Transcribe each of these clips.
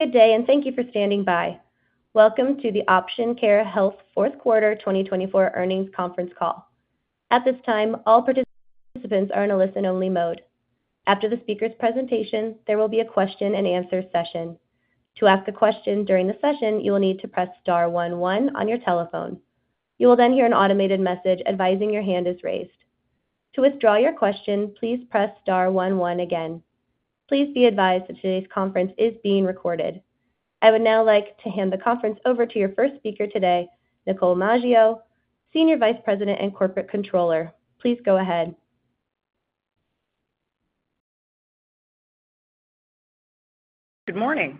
Good day, and thank you for standing by. Welcome to the Option Care Health Fourth Quarter 2024 Earnings Conference Call. At this time, all participants are in a listen-only mode. After the speaker's presentation, there will be a question-and-answer session. To ask a question during the session, you will need to press star one one on your telephone. You will then hear an automated message advising your hand is raised. To withdraw your question, please press star one one again. Please be advised that today's conference is being recorded. I would now like to hand the conference over to your first speaker today, Nicole Maggio, Senior Vice President and Corporate Controller. Please go ahead. Good morning.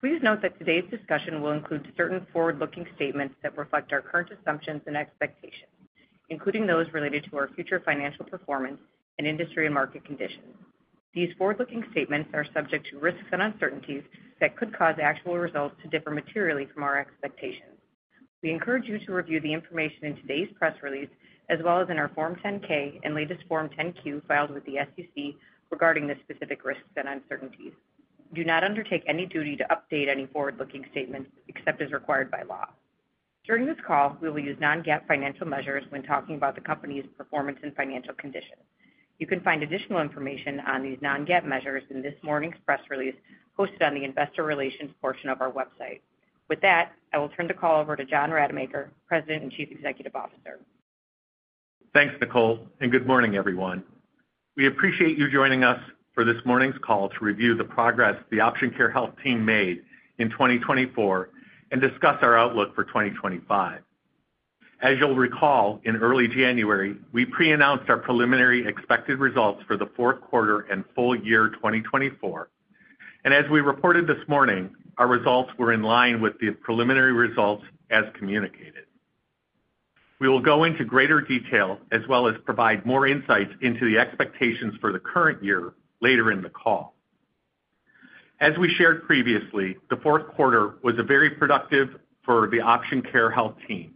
Please note that today's discussion will include certain forward-looking statements that reflect our current assumptions and expectations, including those related to our future financial performance and industry and market conditions. These forward-looking statements are subject to risks and uncertainties that could cause actual results to differ materially from our expectations. We encourage you to review the information in today's press release, as well as in our 10-K and latest 10-Q filed with the SEC regarding the specific risks and uncertainties. Do not undertake any duty to update any forward-looking statements except as required by law. During this call, we will use non-GAAP financial measures when talking about the company's performance and financial condition. You can find additional information on these non-GAAP measures in this morning's press release posted on the Investor Relations portion of our website. With that, I will turn the call over to John Rademacher, President and Chief Executive Officer. Thanks, Nicole, and good morning, everyone. We appreciate you joining us for this morning's call to review the progress the Option Care Health team made in 2024 and discuss our outlook for 2025. As you'll recall, in early January, we pre-announced our preliminary expected results for the fourth quarter and full year 2024. And as we reported this morning, our results were in line with the preliminary results as communicated. We will go into greater detail, as well as provide more insights into the expectations for the current year later in the call. As we shared previously, the fourth quarter was very productive for the Option Care Health team,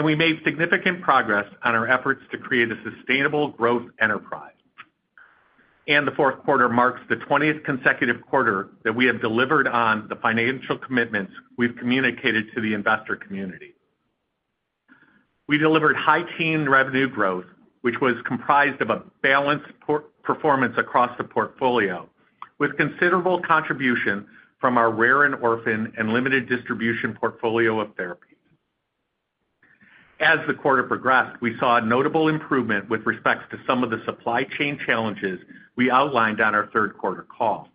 and we made significant progress on our efforts to create a sustainable growth enterprise. And the fourth quarter marks the 20th consecutive quarter that we have delivered on the financial commitments we've communicated to the investor community. We delivered high-teens revenue growth, which was comprised of a balanced performance across the portfolio, with considerable contribution from our rare and orphan and limited distribution portfolio of therapies. As the quarter progressed, we saw a notable improvement with respect to some of the supply chain challenges we outlined on our third quarter call.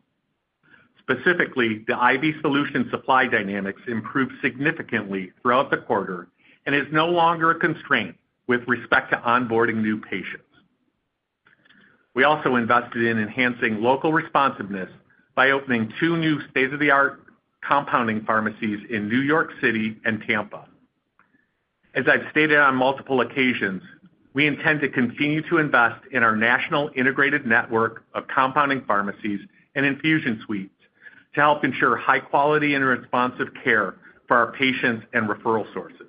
Specifically, the IV solution supply dynamics improved significantly throughout the quarter and is no longer a constraint with respect to onboarding new patients. We also invested in enhancing local responsiveness by opening two new state-of-the-art compounding pharmacies in New York City and Tampa. As I've stated on multiple occasions, we intend to continue to invest in our national integrated network of compounding pharmacies and infusion suites to help ensure high-quality and responsive care for our patients and referral sources.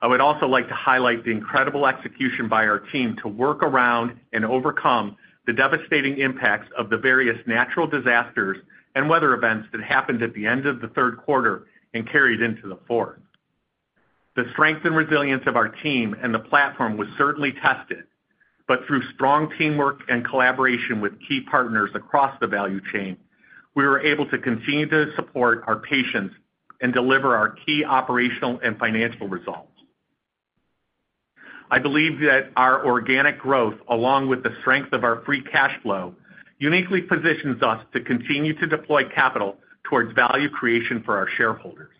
I would also like to highlight the incredible execution by our team to work around and overcome the devastating impacts of the various natural disasters and weather events that happened at the end of the third quarter and carried into the fourth. The strength and resilience of our team and the platform was certainly tested, but through strong teamwork and collaboration with key partners across the value chain, we were able to continue to support our patients and deliver our key operational and financial results. I believe that our organic growth, along with the strength of our free cash flow, uniquely positions us to continue to deploy capital towards value creation for our shareholders.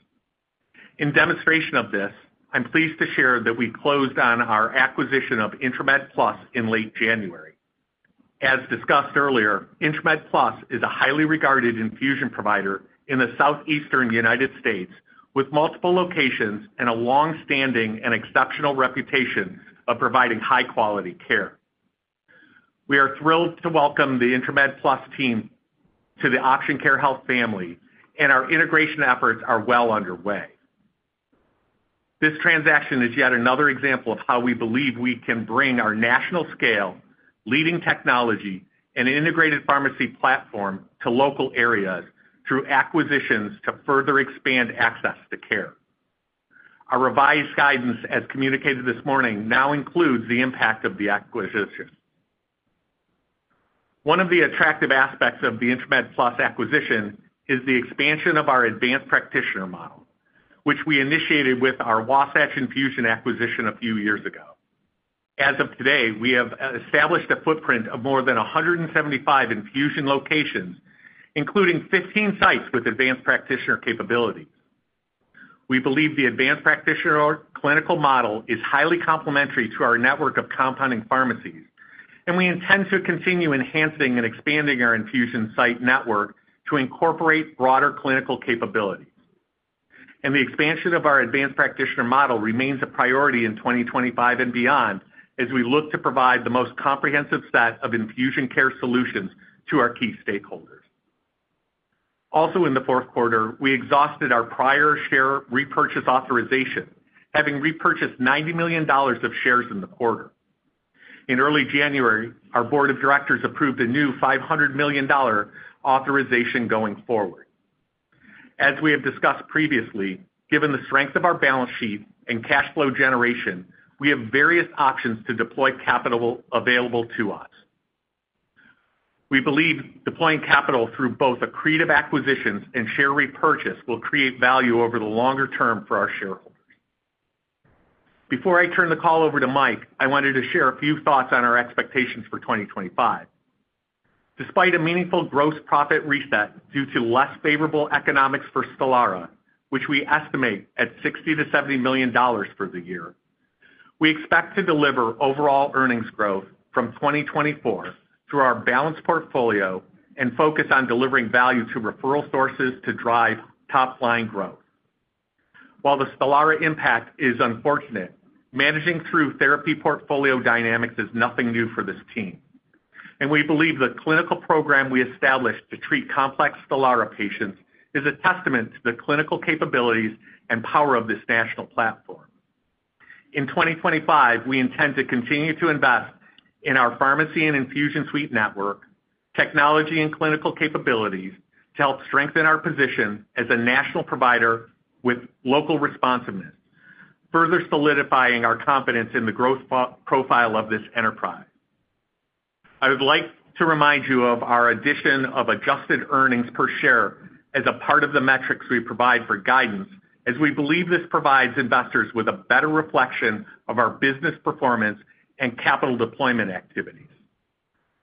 In demonstration of this, I'm pleased to share that we closed on our acquisition of IntraMed Plus in late January. As discussed earlier, IntraMed Plus is a highly regarded infusion provider in the southeastern United States with multiple locations and a long-standing and exceptional reputation of providing high-quality care. We are thrilled to welcome the IntraMed Plus team to the Option Care Health family, and our integration efforts are well underway. This transaction is yet another example of how we believe we can bring our national scale, leading technology, and integrated pharmacy platform to local areas through acquisitions to further expand access to care. Our revised guidance, as communicated this morning, now includes the impact of the acquisition. One of the attractive aspects of the IntraMed Plus acquisition is the expansion of our advanced practitioner model, which we initiated with our Wasatch Infusion acquisition a few years ago. As of today, we have established a footprint of more than 175 infusion locations, including 15 sites with advanced practitioner capabilities. We believe the advanced practitioner clinical model is highly complementary to our network of compounding pharmacies, and we intend to continue enhancing and expanding our infusion site network to incorporate broader clinical capabilities. The expansion of our advanced practitioner model remains a priority in 2025 and beyond as we look to provide the most comprehensive set of infusion care solutions to our key stakeholders. Also, in the fourth quarter, we exhausted our prior share repurchase authorization, having repurchased $90 million of shares in the quarter. In early January, our board of directors approved a new $500 million authorization going forward. As we have discussed previously, given the strength of our balance sheet and cash flow generation, we have various options to deploy capital available to us. We believe deploying capital through both accretive acquisitions and share repurchase will create value over the longer term for our shareholders. Before I turn the call over to Mike, I wanted to share a few thoughts on our expectations for 2025. Despite a meaningful gross profit reset due to less favorable economics for Stelara, which we estimate at $60-$70 million for the year, we expect to deliver overall earnings growth from 2024 through our balanced portfolio and focus on delivering value to referral sources to drive top-line growth. While the Stelara impact is unfortunate, managing through therapy portfolio dynamics is nothing new for this team. And we believe the clinical program we established to treat complex Stelara patients is a testament to the clinical capabilities and power of this national platform. In 2025, we intend to continue to invest in our pharmacy and infusion suite network, technology, and clinical capabilities to help strengthen our position as a national provider with local responsiveness, further solidifying our confidence in the growth profile of this enterprise. I would like to remind you of our addition of Adjusted Earnings Per Share as a part of the metrics we provide for guidance, as we believe this provides investors with a better reflection of our business performance and capital deployment activities.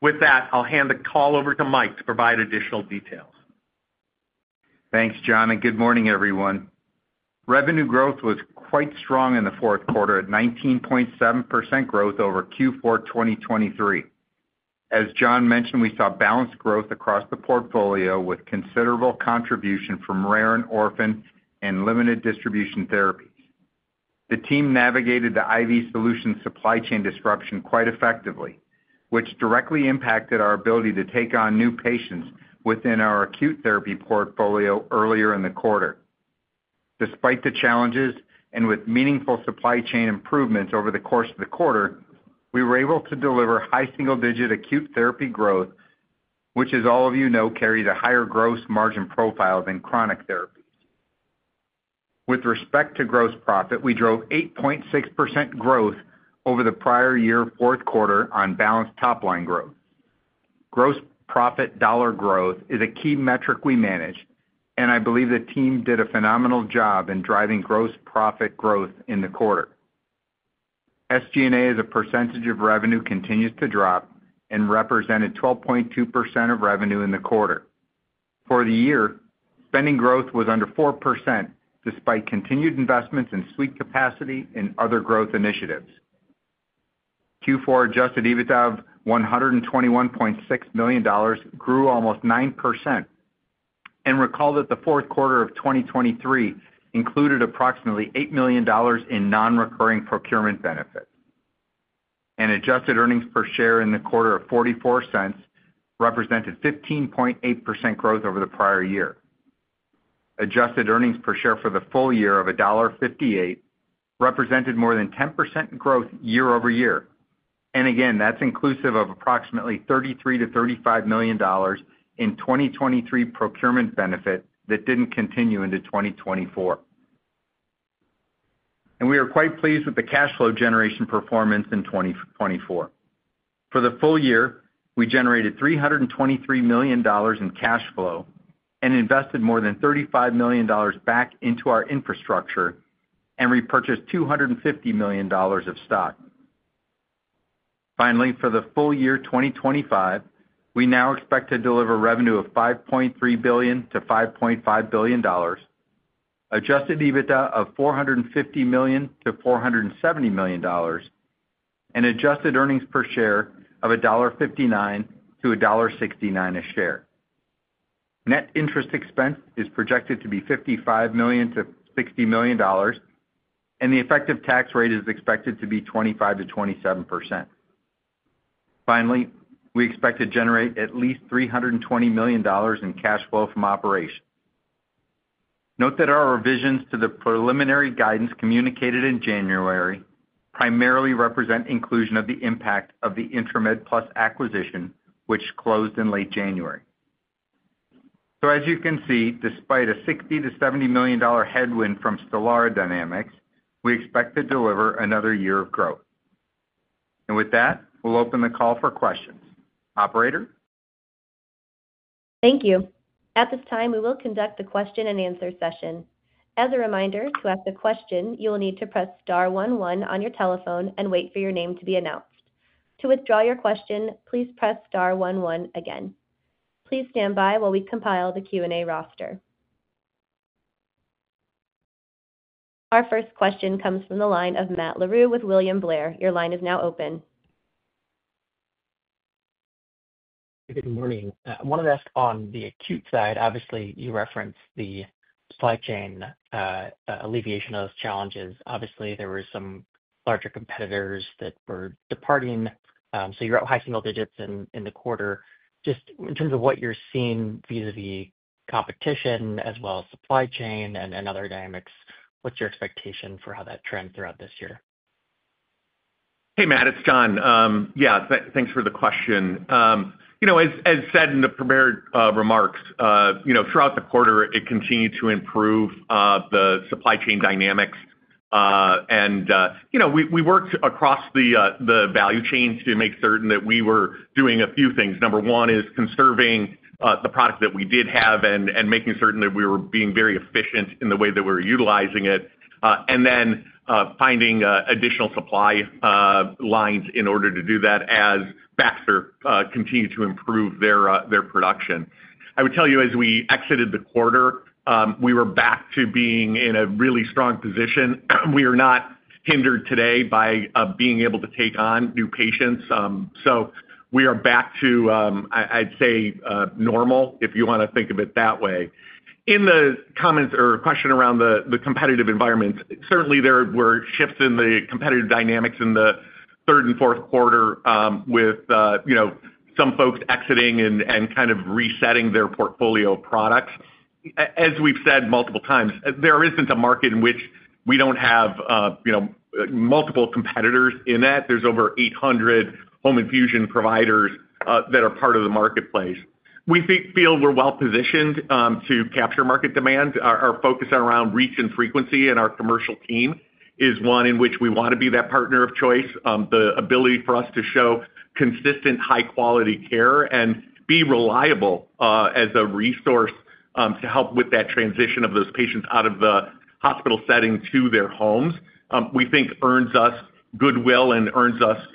With that, I'll hand the call over to Mike to provide additional details. Thanks, John, and good morning, everyone. Revenue growth was quite strong in the fourth quarter at 19.7% growth over Q4 2023. As John mentioned, we saw balanced growth across the portfolio with considerable contribution from rare and orphan and limited distribution therapies. The team navigated the IV solution supply chain disruption quite effectively, which directly impacted our ability to take on new patients within our acute therapy portfolio earlier in the quarter. Despite the challenges and with meaningful supply chain improvements over the course of the quarter, we were able to deliver high single-digit acute therapy growth, which, as all of you know, carries a higher gross margin profile than chronic therapies. With respect to gross profit, we drove 8.6% growth over the prior year fourth quarter on balanced top-line growth. Gross profit dollar growth is a key metric we managed, and I believe the team did a phenomenal job in driving gross profit growth in the quarter. SG&A percentage of revenue continues to drop and represented 12.2% of revenue in the quarter. For the year, spending growth was under 4% despite continued investments in suite capacity and other growth initiatives. Q4 Adjusted EBITDA of $121.6 million grew almost 9%. Recall that the fourth quarter of 2023 included approximately $8 million in non-recurring procurement benefits. Adjusted earnings per share in the quarter of $0.44 represented 15.8% growth over the prior year. Adjusted earnings per share for the full year of $1.58 represented more than 10% growth year over year. Again, that's inclusive of approximately $33 million to $35 million in 2023 procurement benefit that didn't continue into 2024. And we are quite pleased with the cash flow generation performance in 2024. For the full year, we generated $323 million in cash flow and invested more than $35 million back into our infrastructure and repurchased $250 million of stock. Finally, for the full year 2025, we now expect to deliver revenue of $5.3 billion to $5.5 billion, Adjusted EBITDA of $450 million to $470 million, and Adjusted Earnings Per Share of $1.59-$1.69 a share. Net interest expense is projected to be $55 million to $60 million, and the effective tax rate is expected to be 25%-27%. Finally, we expect to generate at least $320 million in cash flow from operations. Note that our revisions to the preliminary guidance communicated in January primarily represent inclusion of the impact of the IntraMed Plus acquisition, which closed in late January. So as you can see, despite a $60 to $70 million headwind from Stelara dynamics, we expect to deliver another year of growth. And with that, we'll open the call for questions. Operator? Thank you. At this time, we will conduct the question and answer session. As a reminder, to ask a question, you will need to press star one one on your telephone and wait for your name to be announced. To withdraw your question, please press star one one again. Please stand by while we compile the Q&A roster. Our first question comes from the line of Matt Larew with William Blair. Your line is now open. Good morning. I wanted to ask on the acute side, obviously, you referenced the supply chain alleviation of those challenges. Obviously, there were some larger competitors that were departing. So you're at high single digits in the quarter. Just in terms of what you're seeing vis-à-vis competition as well as supply chain and other dynamics, what's your expectation for how that trends throughout this year? Hey, Matt, it's John. Yeah, thanks for the question. You know, as said in the prepared remarks, you know, throughout the quarter, it continued to improve the supply chain dynamics. And you know, we worked across the value chains to make certain that we were doing a few things. Number one is conserving the product that we did have and making certain that we were being very efficient in the way that we were utilizing it. And then finding additional supply lines in order to do that as Baxter continued to improve their production. I would tell you, as we exited the quarter, we were back to being in a really strong position. We are not hindered today by being able to take on new patients. So we are back to, I'd say, normal, if you want to think of it that way. In the comments or question around the competitive environment, certainly there were shifts in the competitive dynamics in the third and fourth quarter with, you know, some folks exiting and kind of resetting their portfolio of products. As we've said multiple times, there isn't a market in which we don't have, you know, multiple competitors in that. There's over 800 home infusion providers that are part of the marketplace. We feel we're well positioned to capture market demand. Our focus around reach and frequency and our commercial team is one in which we want to be that partner of choice. The ability for us to show consistent high-quality care and be reliable as a resource to help with that transition of those patients out of the hospital setting to their homes, we think earns us goodwill and earns us,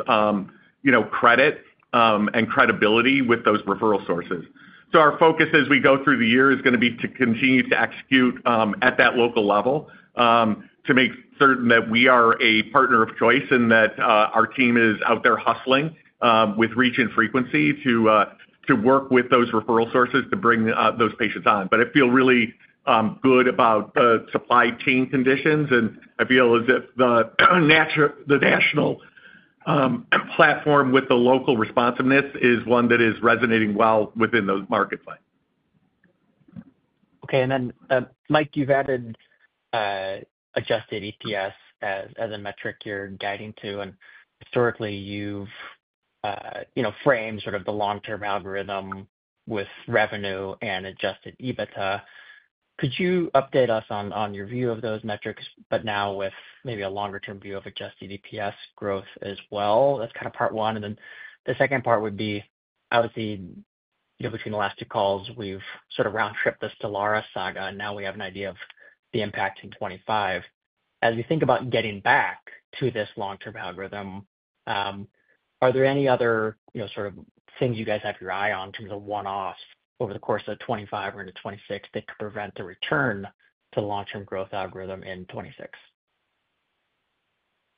you know, credit and credibility with those referral sources. So our focus as we go through the year is going to be to continue to execute at that local level to make certain that we are a partner of choice and that our team is out there hustling with reach and frequency to work with those referral sources to bring those patients on. But I feel really good about the supply chain conditions, and I feel as if the national platform with the local responsiveness is one that is resonating well within those markets. Okay. And then, Mike, you've added Adjusted EPS as a metric you're guiding to. And historically, you've, you know, framed sort of the long-term algorithm with revenue and Adjusted EBITDA. Could you update us on your view of those metrics, but now with maybe a longer-term view of Adjusted EPS growth as well? That's kind of part one. And then the second part would be, obviously, you know, between the last two calls, we've sort of round-tripped the Stelara saga, and now we have an idea of the impact in 2025. As we think about getting back to this long-term algorithm, are there any other, you know, sort of things you guys have your eye on in terms of one-offs over the course of 2025 or into 2026 that could prevent the return to the long-term growth algorithm in 2026?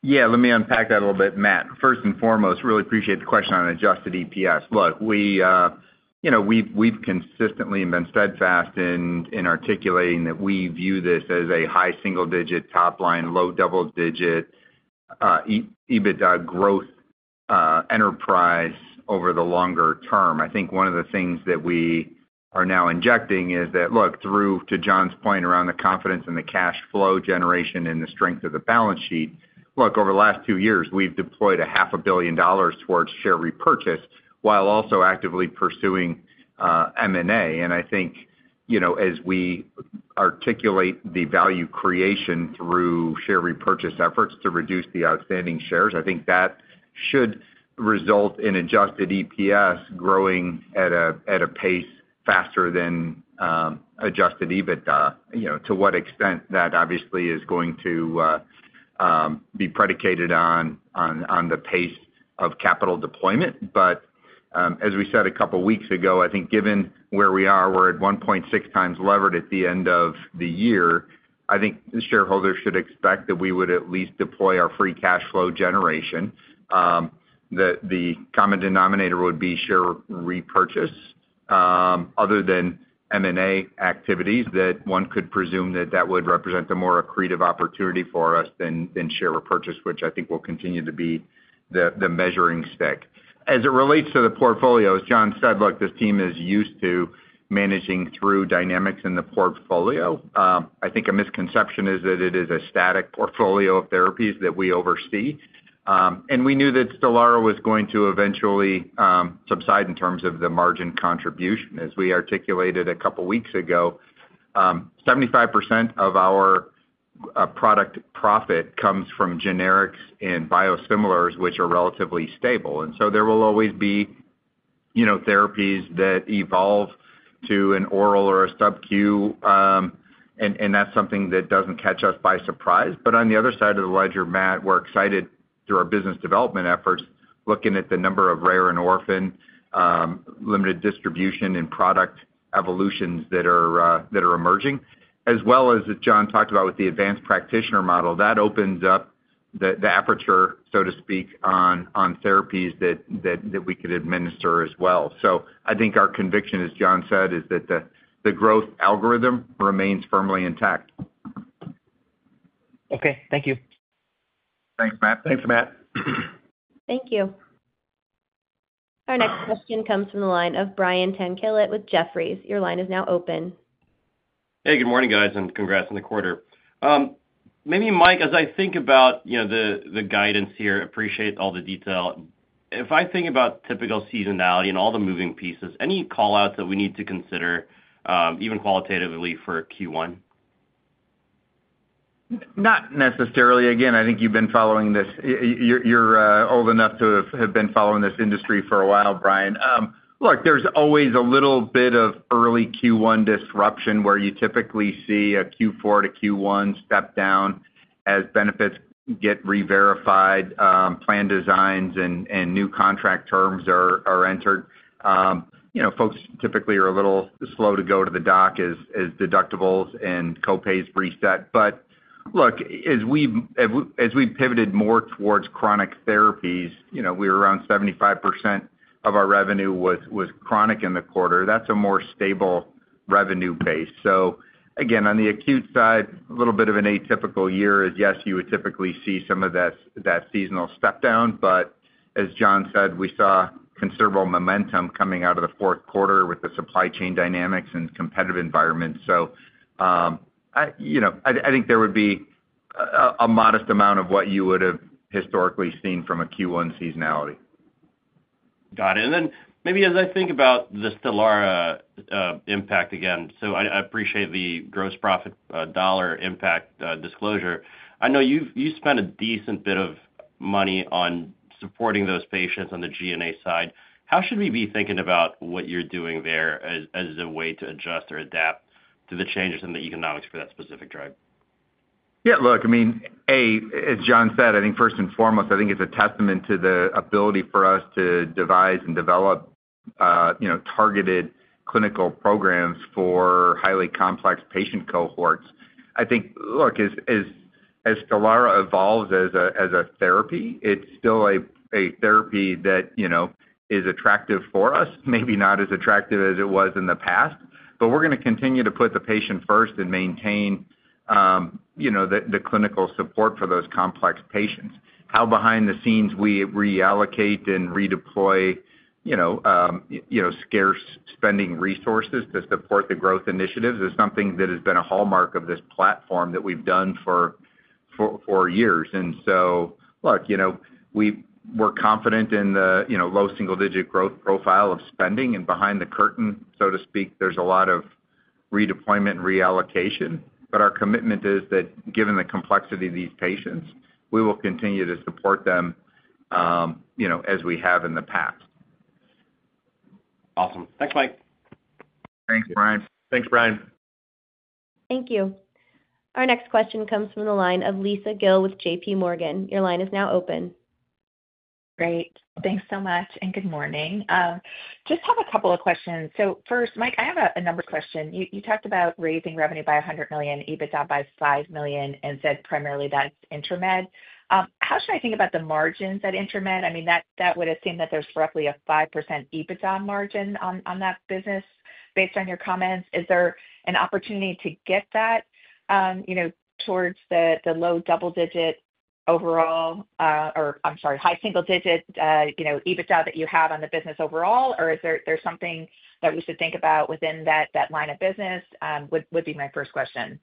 Yeah, let me unpack that a little bit, Matt. First and foremost, really appreciate the question on adjusted EPS. Look, we, you know, we've consistently been steadfast in articulating that we view this as a high single-digit top-line, low double-digit EBITDA growth enterprise over the longer term. I think one of the things that we are now injecting is that, look, through to John's point around the confidence in the cash flow generation and the strength of the balance sheet, look, over the last two years, we've deployed $500 million towards share repurchase while also actively pursuing M&A. And I think, you know, as we articulate the value creation through share repurchase efforts to reduce the outstanding shares, I think that should result in adjusted EPS growing at a pace faster than adjusted EBITDA. You know, to what extent that obviously is going to be predicated on the pace of capital deployment. But as we said a couple of weeks ago, I think given where we are, we're at 1.6 times levered at the end of the year. I think the shareholders should expect that we would at least deploy our free cash flow generation. The common denominator would be share repurchase. Other than M&A activities, that one could presume that that would represent a more accretive opportunity for us than share repurchase, which I think will continue to be the measuring stick. As it relates to the portfolios, John said, look, this team is used to managing through dynamics in the portfolio. I think a misconception is that it is a static portfolio of therapies that we oversee. And we knew that Stelara was going to eventually subside in terms of the margin contribution. As we articulated a couple of weeks ago, 75% of our product profit comes from generics and biosimilars, which are relatively stable. And so there will always be, you know, therapies that evolve to an oral or a sub-Q. And that's something that doesn't catch us by surprise. But on the other side of the ledger, Matt, we're excited through our business development efforts, looking at the number of rare and orphan limited distribution and product evolutions that are emerging, as well as, as John talked about, with the advanced practitioner model. That opens up the aperture, so to speak, on therapies that we could administer as well. So I think our conviction, as John said, is that the growth algorithm remains firmly intact. Okay. Thank you. Thanks, Matt. Thanks, Matt. Thank you. Our next question comes from the line of Brian Tanquilut with Jefferies. Your line is now open. Hey, good morning, guys, and congrats on the quarter. Maybe, Mike, as I think about, you know, the guidance here, appreciate all the detail. If I think about typical seasonality and all the moving pieces, any callouts that we need to consider even qualitatively for Q1? Not necessarily. Again, I think you've been following this. You're old enough to have been following this industry for a while, Brian. Look, there's always a little bit of early Q1 disruption where you typically see a Q4 to Q1 step down as benefits get re-verified, plan designs, and new contract terms are entered. You know, folks typically are a little slow to go to the doc as deductibles and co-pays reset. But look, as we pivoted more towards chronic therapies, you know, we were around 75% of our revenue was chronic in the quarter. That's a more stable revenue base. So again, on the acute side, a little bit of an atypical year is, yes, you would typically see some of that seasonal step down. But as John said, we saw considerable momentum coming out of the fourth quarter with the supply chain dynamics and competitive environment. I, you know, I think there would be a modest amount of what you would have historically seen from a Q1 seasonality. Got it and then maybe as I think about the Stelara impact again, so I appreciate the gross profit dollar impact disclosure. I know you spent a decent bit of money on supporting those patients on the SG&A side. How should we be thinking about what you're doing there as a way to adjust or adapt to the changes in the economics for that specific drug? Yeah, look, I mean, A, as John said, I think first and foremost, I think it's a testament to the ability for us to devise and develop, you know, targeted clinical programs for highly complex patient cohorts. I think, look, as Stelara evolves as a therapy, it's still a therapy that, you know, is attractive for us, maybe not as attractive as it was in the past. But we're going to continue to put the patient first and maintain, you know, the clinical support for those complex patients. How behind the scenes we reallocate and redeploy, you know, scarce spending resources to support the growth initiatives is something that has been a hallmark of this platform that we've done for years. And so, look, you know, we're confident in the, you know, low single-digit growth profile of spending. Behind the curtain, so to speak, there's a lot of redeployment and reallocation. Our commitment is that given the complexity of these patients, we will continue to support them, you know, as we have in the past. Awesome. Thanks, Mike. Thanks, Brian. Thanks, Brian. Thank you. Our next question comes from the line of Lisa Gill with J.P. Morgan. Your line is now open. Great. Thanks so much and good morning. Just have a couple of questions, so first, Mike, I have a number of questions. You talked about raising revenue by $100 million, EBITDA by $5 million, and said primarily that's IntraMed. How should I think about the margins at IntraMed? I mean, that would assume that there's roughly a 5% EBITDA margin on that business based on your comments. Is there an opportunity to get that, you know, towards the low double-digit overall, or I'm sorry, high single-digit, you know, EBITDA that you have on the business overall? Or is there something that we should think about within that line of business? Would be my first question.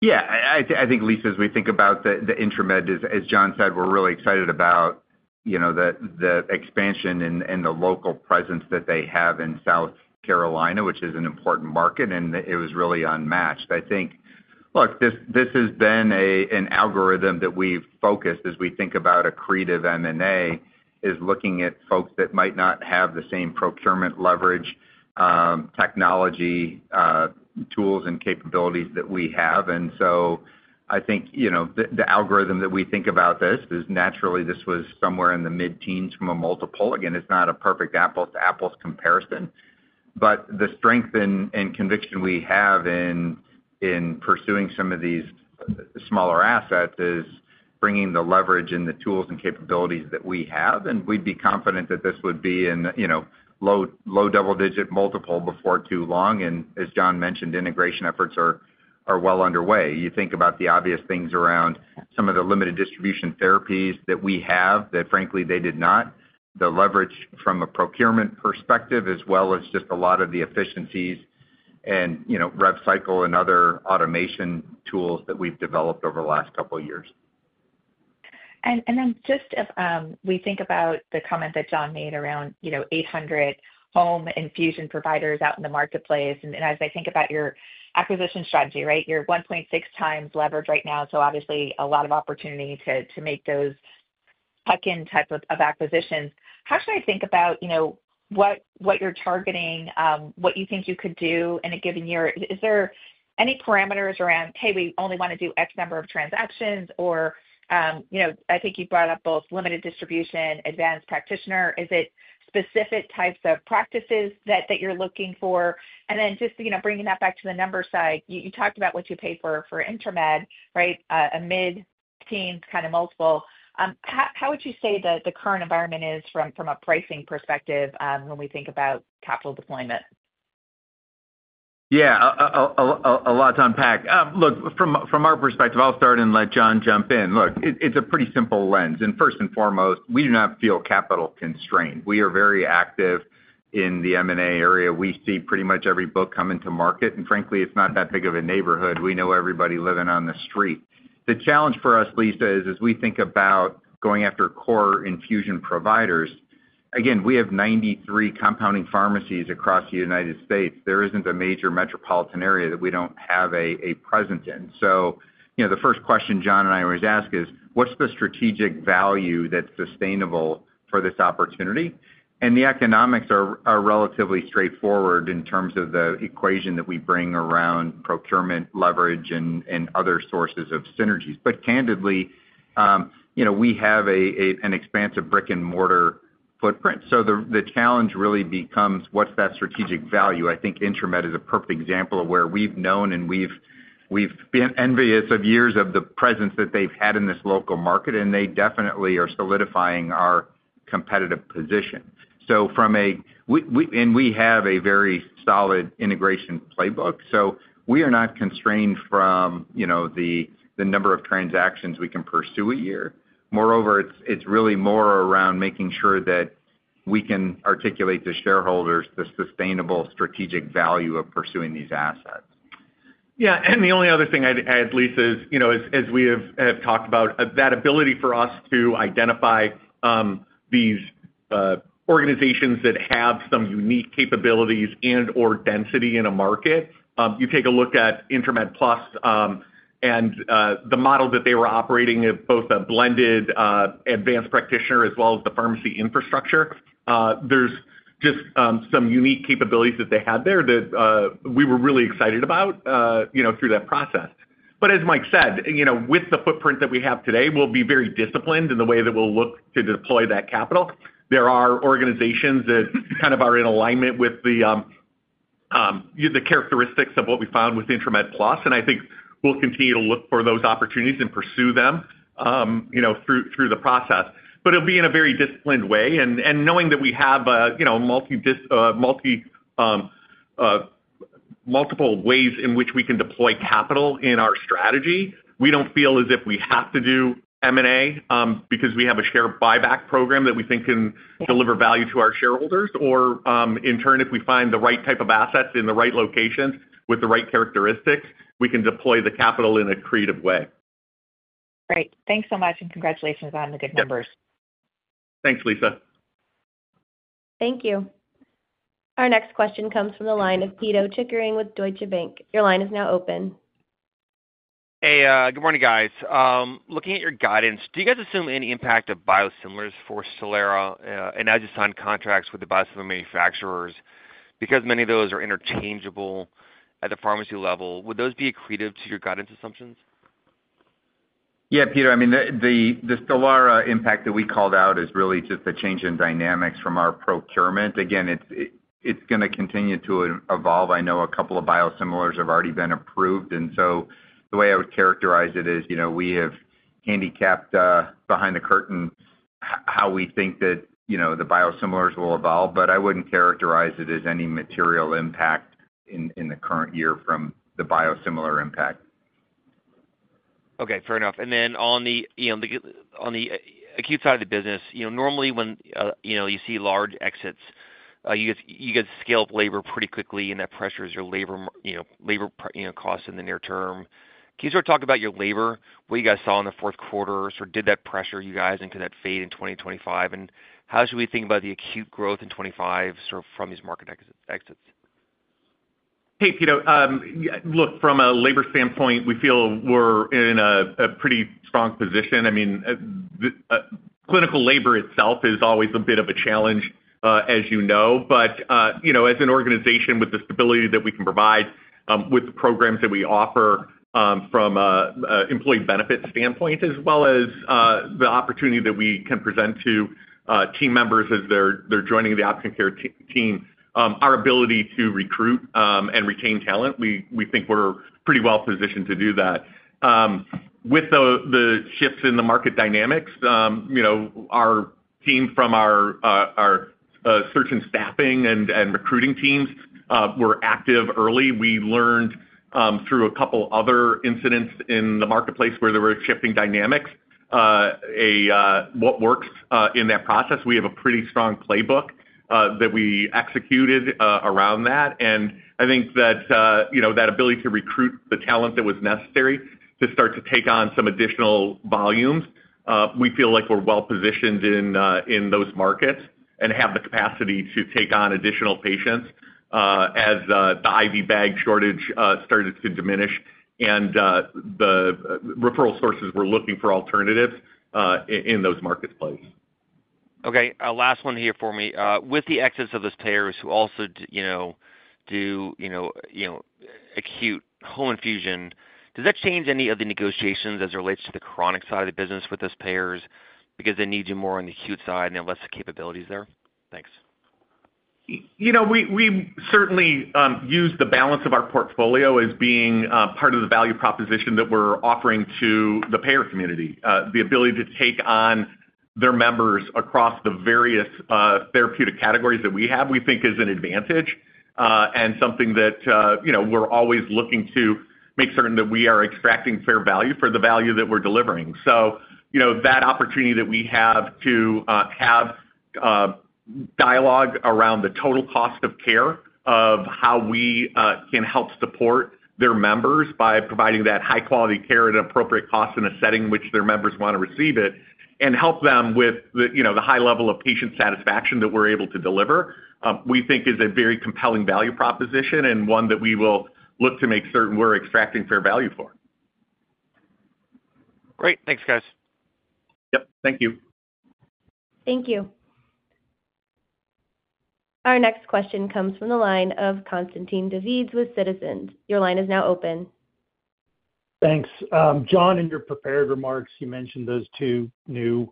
Yeah, I think, Lisa, as we think about the IntraMed, as John said, we're really excited about, you know, the expansion and the local presence that they have in South Carolina, which is an important market, and it was really unmatched. I think, look, this has been an algorithm that we've focused as we think about accretive M&A, is looking at folks that might not have the same procurement leverage technology tools and capabilities that we have. And so I think, you know, the algorithm that we think about this is naturally this was somewhere in the mid-teens from a multiple. Again, it's not a perfect apples-to-apples comparison. But the strength and conviction we have in pursuing some of these smaller assets is bringing the leverage and the tools and capabilities that we have. We'd be confident that this would be in, you know, low double-digit multiple before too long. As John mentioned, integration efforts are well underway. You think about the obvious things around some of the limited distribution therapies that we have that, frankly, they did not, the leverage from a procurement perspective, as well as just a lot of the efficiencies and, you know, rev cycle and other automation tools that we've developed over the last couple of years. And then just if we think about the comment that John made around, you know, 800 home infusion providers out in the marketplace. And as I think about your acquisition strategy, right, you're 1.6 times levered right now. So obviously a lot of opportunity to make those tuck-in type of acquisitions. How should I think about, you know, what you're targeting, what you think you could do in a given year? Is there any parameters around, hey, we only want to do X number of transactions? Or, you know, I think you brought up both limited distribution, advanced practitioner. Is it specific types of practices that you're looking for? And then just, you know, bringing that back to the number side, you talked about what you pay for IntraMed, right, a mid-teens kind of multiple. How would you say the current environment is from a pricing perspective when we think about capital deployment? Yeah, a lot to unpack. Look, from our perspective, I'll start and let John jump in. Look, it's a pretty simple lens, and first and foremost, we do not feel capital constrained. We are very active in the M&A area. We see pretty much every book come into market, and frankly, it's not that big of a neighborhood. We know everybody living on the street. The challenge for us, Lisa, is as we think about going after core infusion providers, again, we have 93 compounding pharmacies across the United States. There isn't a major metropolitan area that we don't have a presence in. So, you know, the first question John and I always ask is, what's the strategic value that's sustainable for this opportunity, and the economics are relatively straightforward in terms of the equation that we bring around procurement leverage and other sources of synergies. But candidly, you know, we have an expansive brick-and-mortar footprint. So the challenge really becomes, what's that strategic value? I think Intramed is a perfect example of where we've known and we've been envious of years of the presence that they've had in this local market. And they definitely are solidifying our competitive position. So from a, and we have a very solid integration playbook. So we are not constrained from, you know, the number of transactions we can pursue a year. Moreover, it's really more around making sure that we can articulate to shareholders the sustainable strategic value of pursuing these assets. Yeah. The only other thing I add, Lisa, is, you know, as we have talked about, that ability for us to identify these organizations that have some unique capabilities and/or density in a market. You take a look at IntraMed Plus and the model that they were operating at both a blended advanced practitioner as well as the pharmacy infrastructure. There's just some unique capabilities that they had there that we were really excited about, you know, through that process. But as Mike said, you know, with the footprint that we have today, we'll be very disciplined in the way that we'll look to deploy that capital. There are organizations that kind of are in alignment with the characteristics of what we found with IntraMed Plus. And I think we'll continue to look for those opportunities and pursue them, you know, through the process. But it'll be in a very disciplined way. And knowing that we have, you know, multiple ways in which we can deploy capital in our strategy, we don't feel as if we have to do M&A because we have a share buyback program that we think can deliver value to our shareholders. Or in turn, if we find the right type of assets in the right locations with the right characteristics, we can deploy the capital in a creative way. Great. Thanks so much. And congratulations on the good numbers. Thanks, Lisa. Thank you. Our next question comes from the line of Pito Chickering with Deutsche Bank. Your line is now open. Hey, good morning, guys. Looking at your guidance, do you guys assume any impact of biosimilars for Stelara and as you sign contracts with the biosimilar manufacturers? Because many of those are interchangeable at the pharmacy level, would those be accretive to your guidance assumptions? Yeah, Peter. I mean, the Stelara impact that we called out is really just the change in dynamics from our procurement. Again, it's going to continue to evolve. I know a couple of biosimilars have already been approved. And so the way I would characterize it is, you know, we have handicapped behind the curtain how we think that, you know, the biosimilars will evolve. But I wouldn't characterize it as any material impact in the current year from the biosimilar impact. Okay. Fair enough. And then on the, you know, on the acute side of the business, you know, normally when, you know, you see large exits, you get scaled labor pretty quickly, and that pressures your labor, you know, labor costs in the near term. Can you start talking about your labor? What you guys saw in the fourth quarter sort of did that pressure you guys into that fade in 2025? And how should we think about the acute growth in 2025 sort of from these market exits? Hey, Pito. Look, from a labor standpoint, we feel we're in a pretty strong position. I mean, clinical labor itself is always a bit of a challenge, as you know. But, you know, as an organization with the stability that we can provide with the programs that we offer from an employee benefit standpoint, as well as the opportunity that we can present to team members as they're joining the option care team, our ability to recruit and retain talent, we think we're pretty well positioned to do that. With the shifts in the market dynamics, you know, our team from our search and staffing and recruiting teams were active early. We learned through a couple of other incidents in the marketplace where there were shifting dynamics, what works in that process. We have a pretty strong playbook that we executed around that. I think that, you know, that ability to recruit the talent that was necessary to start to take on some additional volumes. We feel like we're well positioned in those markets and have the capacity to take on additional patients as the IV bag shortage started to diminish and the referral sources were looking for alternatives in those marketplace. Okay. Last one here for me. With the exits of those payers who also, you know, do, you know, acute home infusion, does that change any of the negotiations as it relates to the chronic side of the business with those payers because they need you more on the acute side and have less capabilities there? Thanks. You know, we certainly use the balance of our portfolio as being part of the value proposition that we're offering to the payer community. The ability to take on their members across the various therapeutic categories that we have, we think is an advantage and something that, you know, we're always looking to make certain that we are extracting fair value for the value that we're delivering. So, you know, that opportunity that we have to have dialogue around the total cost of care of how we can help support their members by providing that high-quality care at an appropriate cost in a setting in which their members want to receive it and help them with the, you know, the high level of patient satisfaction that we're able to deliver, we think is a very compelling value proposition and one that we will look to make certain we're extracting fair value for. Great. Thanks, guys. Yep. Thank you. Thank you. Our next question comes from the line of Constantine Davides with Citizens. Your line is now open. Thanks. John, in your prepared remarks, you mentioned those two new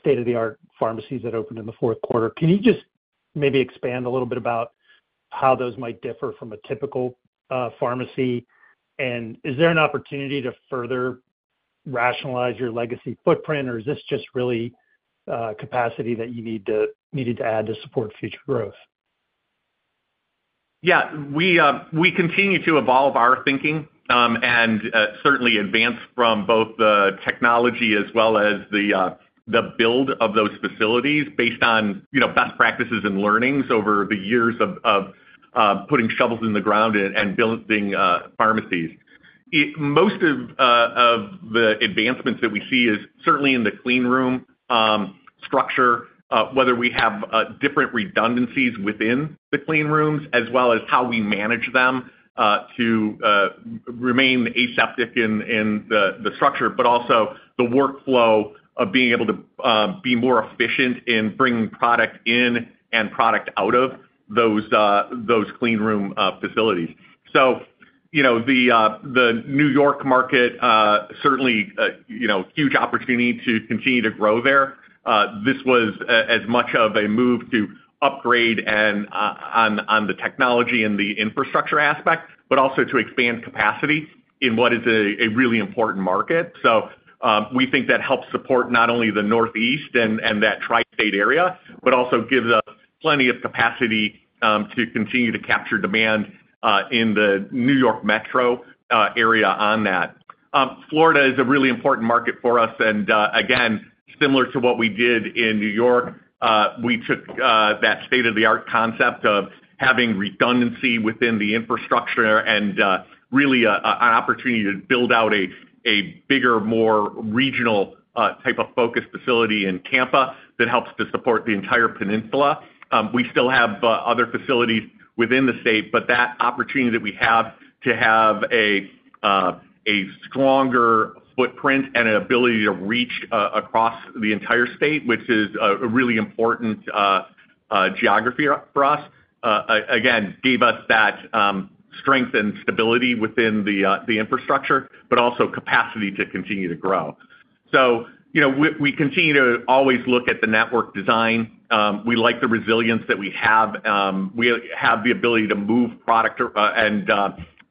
state-of-the-art pharmacies that opened in the fourth quarter. Can you just maybe expand a little bit about how those might differ from a typical pharmacy? And is there an opportunity to further rationalize your legacy footprint, or is this just really capacity that you need to add to support future growth? Yeah. We continue to evolve our thinking and certainly advance from both the technology as well as the build of those facilities based on, you know, best practices and learnings over the years of putting shovels in the ground and building pharmacies. Most of the advancements that we see is certainly in the cleanroom structure, whether we have different redundancies within the clean rooms, as well as how we manage them to remain aseptic in the structure, but also the workflow of being able to be more efficient in bringing product in and product out of those clean room facilities. So, you know, the New York market certainly, you know, huge opportunity to continue to grow there. This was as much of a move to upgrade on the technology and the infrastructure aspect, but also to expand capacity in what is a really important market. So we think that helps support not only the Northeast and that Tri-State area, but also gives us plenty of capacity to continue to capture demand in the New York metro area on that. Florida is a really important market for us. And again, similar to what we did in New York, we took that state-of-the-art concept of having redundancy within the infrastructure and really an opportunity to build out a bigger, more regional type of focus facility in Tampa that helps to support the entire peninsula. We still have other facilities within the state, but that opportunity that we have to have a stronger footprint and an ability to reach across the entire state, which is a really important geography for us, again, gave us that strength and stability within the infrastructure, but also capacity to continue to grow. You know, we continue to always look at the network design. We like the resilience that we have. We have the ability to move product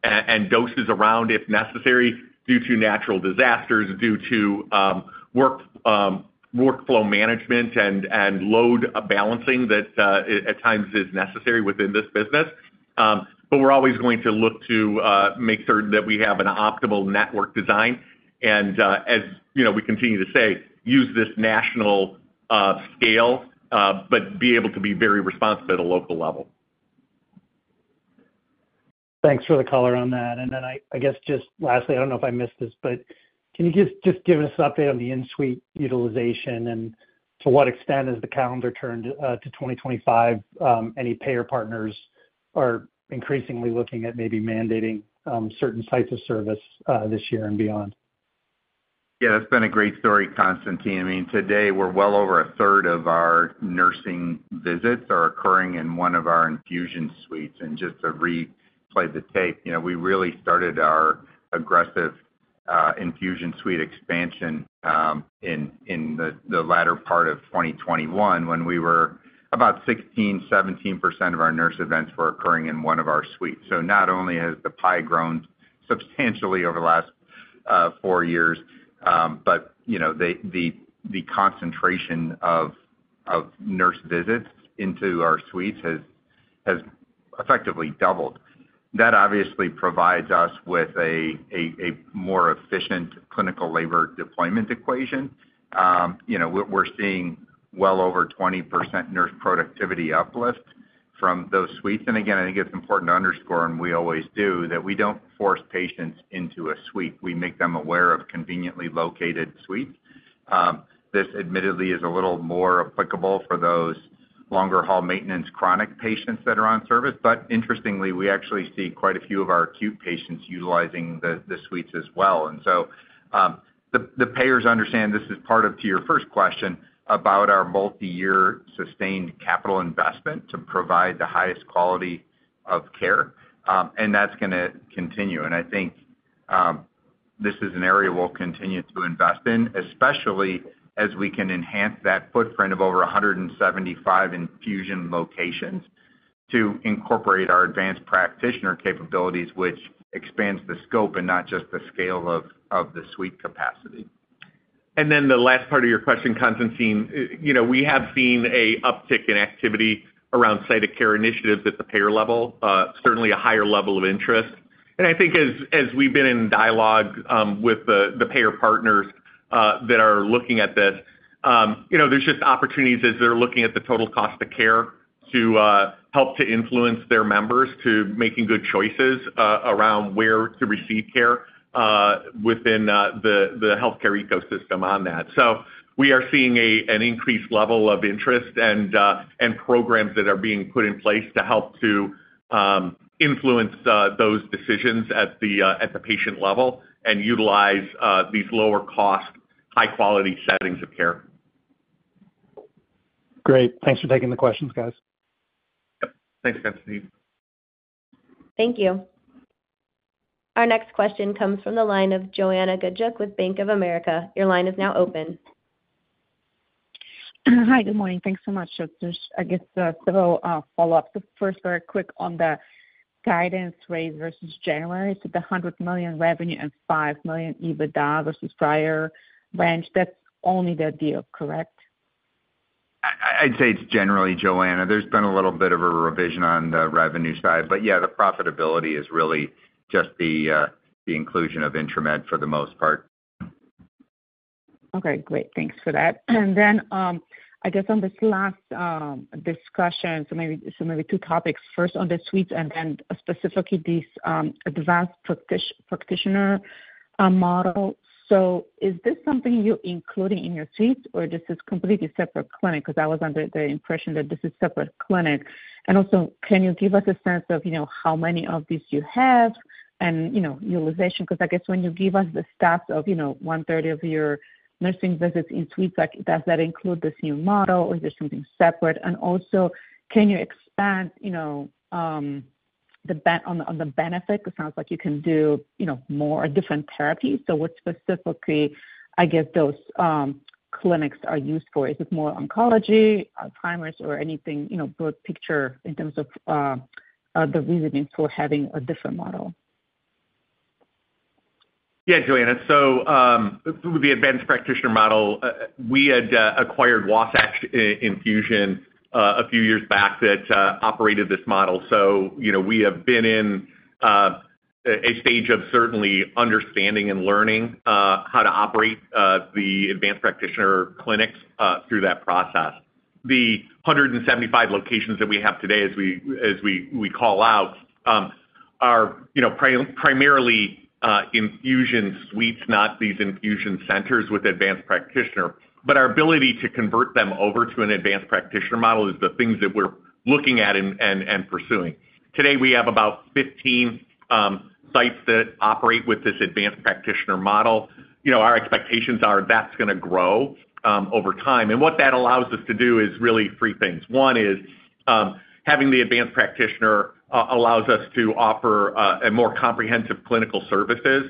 and doses around if necessary due to natural disasters, due to workflow management and load balancing that at times is necessary within this business. But we're always going to look to make certain that we have an optimal network design. And, as you know, we continue to say, use this national scale, but be able to be very responsible at a local level. Thanks for the color on that. And then I guess just lastly, I don't know if I missed this, but can you just give us an update on the in-suite utilization and to what extent has the calendar turned to 2025? Any payer partners are increasingly looking at maybe mandating certain types of service this year and beyond? Yeah, that's been a great story, Constantine. I mean, today we're well over a third of our nursing visits are occurring in one of our infusion suites. And just to replay the tape, you know, we really started our aggressive infusion suite expansion in the latter part of 2021 when we were about 16%-17% of our nurse events were occurring in one of our suites. So not only has the pie grown substantially over the last four years, but, you know, the concentration of nurse visits into our suites has effectively doubled. That obviously provides us with a more efficient clinical labor deployment equation. You know, we're seeing well over 20% nurse productivity uplift from those suites. And again, I think it's important to underscore, and we always do, that we don't force patients into a suite. We make them aware of conveniently located suites. This admittedly is a little more applicable for those longer-haul maintenance chronic patients that are on service. Interestingly, we actually see quite a few of our acute patients utilizing the suites as well. The payers understand this is part of, to your first question, about our multi-year sustained capital investment to provide the highest quality of care. That's going to continue. I think this is an area we'll continue to invest in, especially as we can enhance that footprint of over 175 infusion locations to incorporate our advanced practitioner capabilities, which expands the scope and not just the scale of the suite capacity. And then the last part of your question, Constantine, you know, we have seen an uptick in activity around site of care initiatives at the payer level, certainly a higher level of interest. And I think as we've been in dialogue with the payer partners that are looking at this, you know, there's just opportunities as they're looking at the total cost of care to help to influence their members to making good choices around where to receive care within the healthcare ecosystem on that. So we are seeing an increased level of interest and programs that are being put in place to help to influence those decisions at the patient level and utilize these lower-cost, high-quality settings of care. Great. Thanks for taking the questions, guys. Yep. Thanks, Constantine. Thank you. Our next question comes from the line of Joanna Gajuk with Bank of America. Your line is now open. Hi, good morning. Thanks so much. I guess several follow-ups. First, very quick on the guidance raised versus January. So the $100 million revenue and $5 million EBITDA versus prior range, that's only the deal, correct? I'd say it's generally, Joanna. There's been a little bit of a revision on the revenue side. But yeah, the profitability is really just the inclusion of IntraMed for the most part. Okay. Great. Thanks for that. And then I guess on this last discussion, so maybe two topics. First, on the suites and then specifically this advanced practitioner model. So is this something you're including in your suites, or is this a completely separate clinic? Because I was under the impression that this is a separate clinic. And also, can you give us a sense of, you know, how many of these you have and, you know, utilization? Because I guess when you give us the stats of, you know, 130 of your nursing visits in suites, does that include this new model, or is there something separate? And also, can you expand, you know, the bet on the benefit? It sounds like you can do, you know, more different therapies. So what specifically, I guess, those clinics are used for? Is it more oncology, Alzheimer's, or anything, you know, broad picture in terms of the reasoning for having a different model? Yeah, Joanna. So with the advanced practitioner model, we had acquired Wasatch Infusion a few years back that operated this model. So, you know, we have been in a stage of certainly understanding and learning how to operate the advanced practitioner clinics through that process. The 175 locations that we have today, as we call out, are, you know, primarily infusion suites, not these infusion centers with advanced practitioner. But our ability to convert them over to an advanced practitioner model is the things that we're looking at and pursuing. Today, we have about 15 sites that operate with this advanced practitioner model. You know, our expectations are that's going to grow over time. And what that allows us to do is really three things. One is having the advanced practitioner allows us to offer more comprehensive clinical services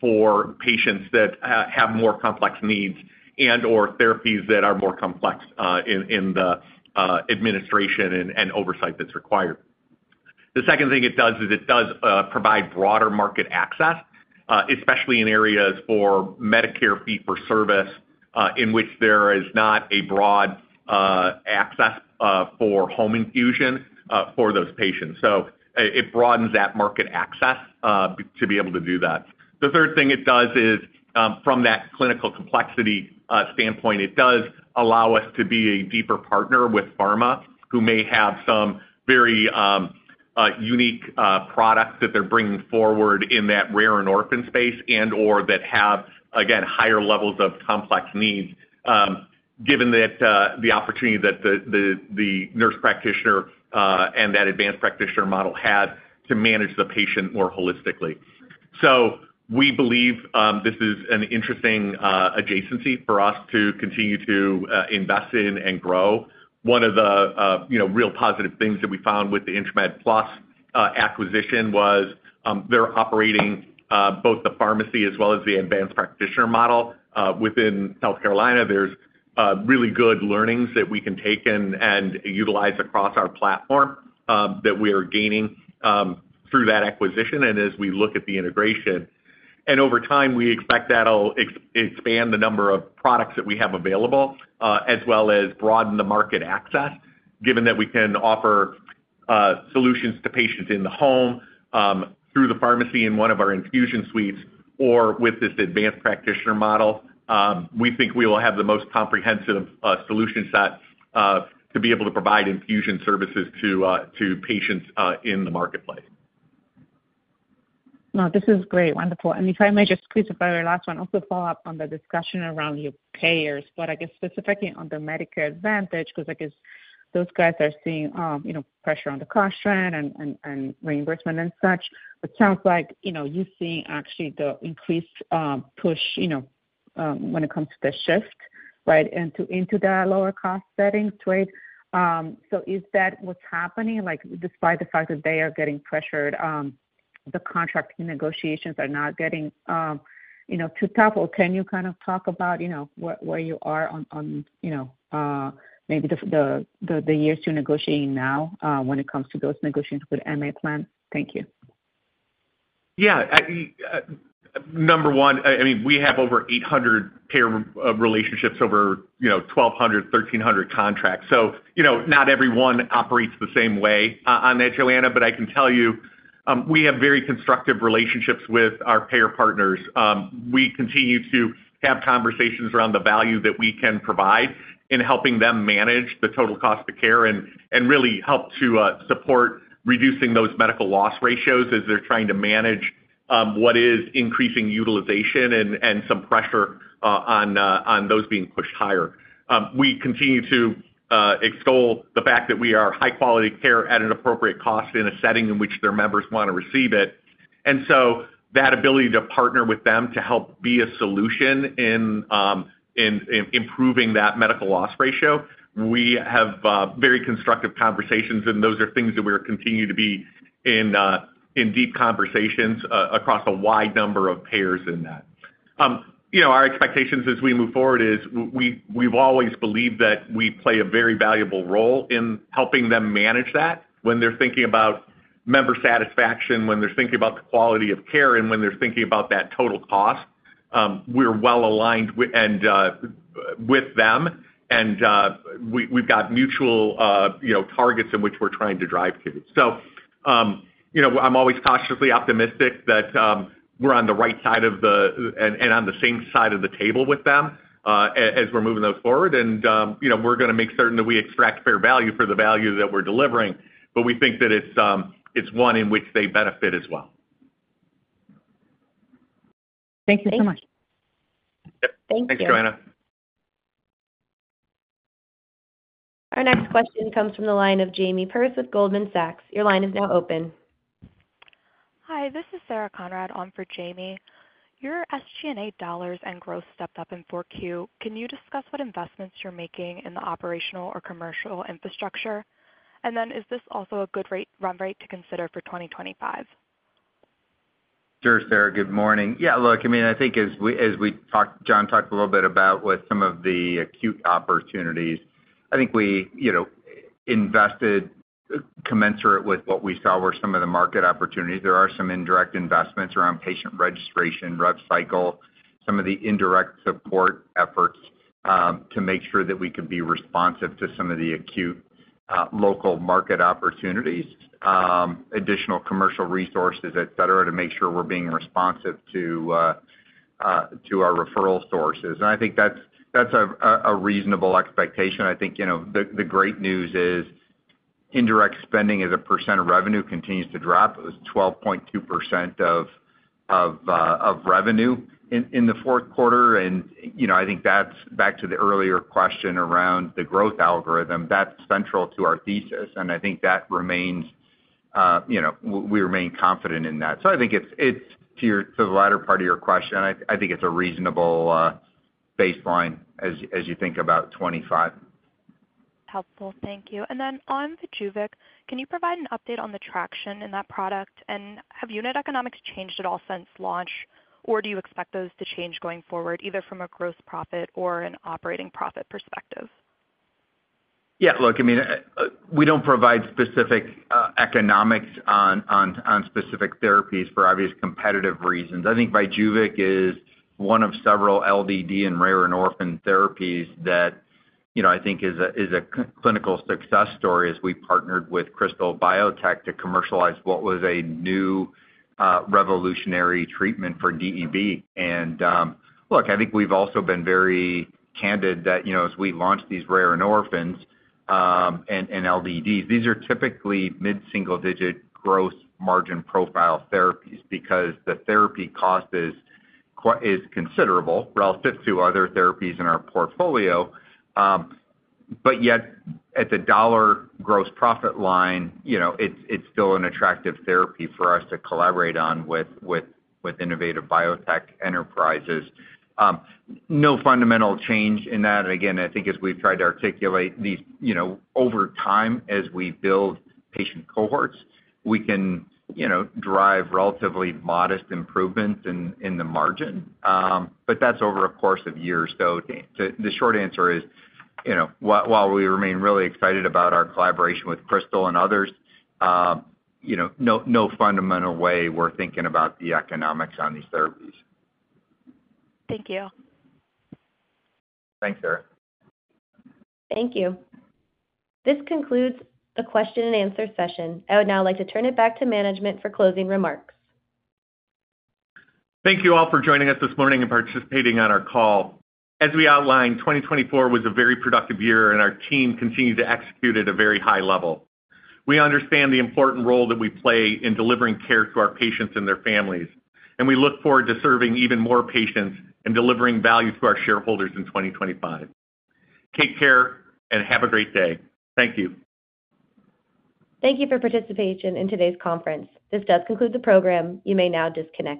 for patients that have more complex needs and/or therapies that are more complex in the administration and oversight that's required. The second thing it does is it does provide broader market access, especially in areas for Medicare fee-for-service in which there is not a broad access for home infusion for those patients. So it broadens that market access to be able to do that. The third thing it does is, from that clinical complexity standpoint, it does allow us to be a deeper partner with pharma who may have some very unique products that they're bringing forward in that rare and orphan space and/or that have, again, higher levels of complex needs, given the opportunity that the nurse practitioner and that advanced practitioner model had to manage the patient more holistically. So we believe this is an interesting adjacency for us to continue to invest in and grow. One of the, you know, real positive things that we found with the IntraMed Plus acquisition was they're operating both the pharmacy as well as the advanced practitioner model within South Carolina. There's really good learnings that we can take and utilize across our platform that we are gaining through that acquisition and as we look at the integration. And over time, we expect that'll expand the number of products that we have available as well as broaden the market access, given that we can offer solutions to patients in the home through the pharmacy in one of our infusion suites or with this advanced practitioner model. We think we will have the most comprehensive solution set to be able to provide infusion services to patients in the marketplace. No, this is great. Wonderful. And if I may just, please, if I were last one, also follow up on the discussion around your payers, but I guess specifically on the Medicare Advantage, because I guess those guys are seeing, you know, pressure on the cost trend and reimbursement and such. It sounds like, you know, you're seeing actually the increased push, you know, when it comes to the shift, right, into the lower-cost settings, right? So is that what's happening? Like, despite the fact that they are getting pressured, the contract negotiations are not getting, you know, too tough? Or can you kind of talk about, you know, where you are on, you know, maybe the years you're negotiating now when it comes to those negotiations with MA Plan? Thank you. Yeah. Number one, I mean, we have over 800 payer relationships over, you know, 1,200, 1,300 contracts. So, you know, not everyone operates the same way on that, Joanna. But I can tell you we have very constructive relationships with our payer partners. We continue to have conversations around the value that we can provide in helping them manage the total cost of care and really help to support reducing those medical loss ratios as they're trying to manage what is increasing utilization and some pressure on those being pushed higher. We continue to extol the fact that we are high-quality care at an appropriate cost in a setting in which their members want to receive it. And so that ability to partner with them to help be a solution in improving that medical loss ratio, we have very constructive conversations. Those are things that we are continuing to be in deep conversations across a wide number of payers in that. You know, our expectations as we move forward is we've always believed that we play a very valuable role in helping them manage that when they're thinking about member satisfaction, when they're thinking about the quality of care, and when they're thinking about that total cost. We're well aligned with them, and we've got mutual, you know, targets in which we're trying to drive to. So, you know, I'm always cautiously optimistic that we're on the right side of the equation and on the same side of the table with them as we're moving those forward. And, you know, we're going to make certain that we extract fair value for the value that we're delivering. But we think that it's one in which they benefit as well. Thank you so much. Thank you. Thanks, Joanna. Our next question comes from the line of Jamie Perse with Goldman Sachs. Your line is now open. Hi, this is Sarah Conrad on for Jamie. Your SG&A dollars and growth stepped up in 4Q. Can you discuss what investments you're making in the operational or commercial infrastructure? And then is this also a good run rate to consider for 2025? Sure, Sarah. Good morning. Yeah, look, I mean, I think as we talked, John talked a little bit about with some of the acute opportunities. I think we, you know, invested commensurate with what we saw were some of the market opportunities. There are some indirect investments around patient registration, rev cycle, some of the indirect support efforts to make sure that we could be responsive to some of the acute local market opportunities, additional commercial resources, et cetera, to make sure we're being responsive to our referral sources. And I think that's a reasonable expectation. I think, you know, the great news is indirect spending as a percent of revenue continues to drop. It was 12.2% of revenue in the fourth quarter. And, you know, I think that's back to the earlier question around the growth algorithm. That's central to our thesis. I think that remains, you know, we remain confident in that. I think it's to the latter part of your question. I think it's a reasonable baseline as you think about 2025. Helpful. Thank you. And then on Vyjuvek, can you provide an update on the traction in that product? And have unit economics changed at all since launch, or do you expect those to change going forward, either from a gross profit or an operating profit perspective? Yeah. Look, I mean, we don't provide specific economics on specific therapies for obvious competitive reasons. I think Vyjuvek is one of several LDD and rare and orphan therapies that, you know, I think is a clinical success story as we partnered with Krystal Biotech to commercialize what was a new revolutionary treatment for DEB. And look, I think we've also been very candid that, you know, as we launched these rare and orphans and LDDs, these are typically mid-single-digit gross margin profile therapies because the therapy cost is considerable relative to other therapies in our portfolio. But yet, at the dollar gross profit line, you know, it's still an attractive therapy for us to collaborate on with innovative biotech enterprises. No fundamental change in that. Again, I think as we've tried to articulate these, you know, over time as we build patient cohorts, we can, you know, drive relatively modest improvements in the margin. That's over a course of years. The short answer is, you know, while we remain really excited about our collaboration with Krystal and others, you know, no fundamental way we're thinking about the economics on these therapies. Thank you. Thanks, Sarah. Thank you. This concludes the question and answer session. I would now like to turn it back to management for closing remarks. Thank you all for joining us this morning and participating on our call. As we outlined, 2024 was a very productive year, and our team continued to execute at a very high level. We understand the important role that we play in delivering care to our patients and their families, and we look forward to serving even more patients and delivering value to our shareholders in 2025. Take care and have a great day. Thank you. Thank you for participating in today's conference. This does conclude the program. You may now disconnect.